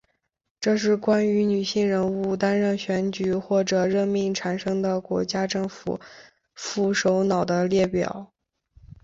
这是关于女性人物担任选举或者任命产生的国家政府副首脑的列表。